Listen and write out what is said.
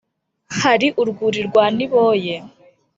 hari urwuri rwa niboye